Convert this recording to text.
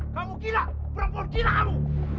kamu gila perempuan gila kamu